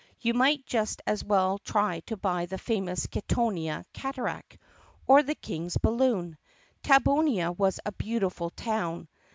You might just as well try to buy the famous Kittonia Cataract — or the king's balloon. Tabbonia was a beautiful town.